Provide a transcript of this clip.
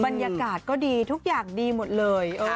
บรรยากาศก็ดีทุกอย่างดีหมดเลย